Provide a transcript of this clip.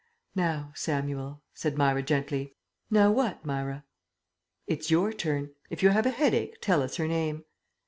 "Now, Samuel," said Myra gently. "Now what, Myra?" "It's your turn. If you have a headache, tell us her name."